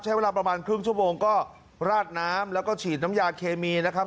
ใช้เวลาประมาณครึ่งชั่วโมงก็ราดน้ำแล้วก็ฉีดน้ำยาเคมีนะครับ